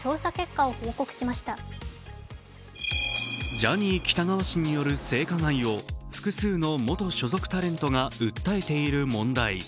ジャニー喜多川氏による性加害を複数の元所属タレントが訴えている問題。